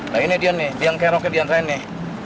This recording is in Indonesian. nah ini dia nih dia ngeroket di antaranya nih